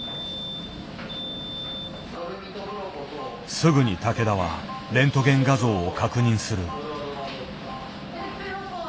すぐに竹田はレントゲン画像を確認する。